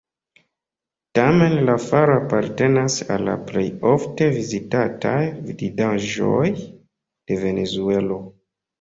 Tamen la falo apartenas al la plej ofte vizitataj vidindaĵoj de Venezuelo.